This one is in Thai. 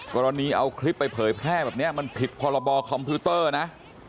กรณีเอาคลิปไปเผยแพร่แบบนี้มันผิดพรบคอมพิวเตอร์นะ